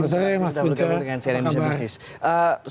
selamat sore mas kunca apa kabar